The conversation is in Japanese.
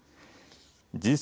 Ｇ７